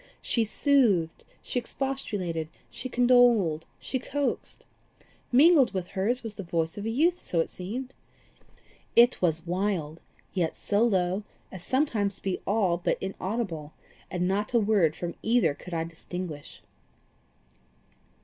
She soothed, she expostulated, she condoled, she coaxed. Mingled with hers was the voice of a youth, as it seemed. It was wild, yet so low as sometimes to be all but inaudible, and not a word from either could I distinguish.